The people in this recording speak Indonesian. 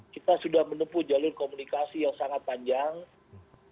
kita sudah menempuh jalur komunikasi yang sangat panjang